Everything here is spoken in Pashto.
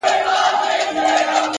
هره موخه دوامداره هڅه غواړي